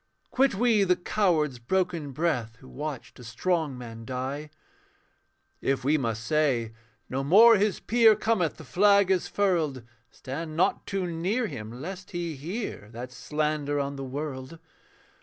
Quit we the coward's broken breath Who watched a strong man die. If we must say, 'No more his peer Cometh; the flag is furled.' Stand not too near him, lest he hear That slander on the world.